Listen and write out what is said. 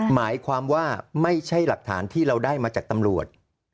หมายความว่าไม่ใช่หลักฐานที่เราได้มาจากตำรวจ